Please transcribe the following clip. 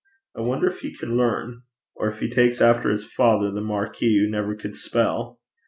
I wonder if he can learn or if he takes after his father the marquis, who never could spell.